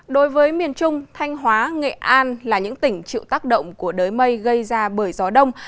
đối với miền trung thanh hóa nghệ an là những tỉnh chịu tác động của đới mây gây ra bởi gió đông